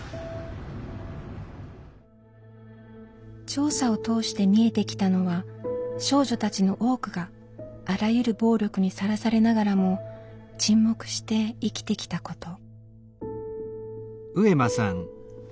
調査を通して見えてきたのは少女たちの多くがあらゆる暴力にさらされながらも沈黙して生きてきたこと。